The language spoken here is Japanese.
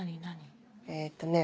えっとね